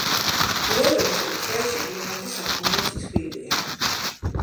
მეორე მხრივ, ტყეებში კლიმატი საკმაოდ თბილია.